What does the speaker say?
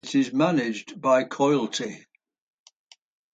It is managed by Coillte.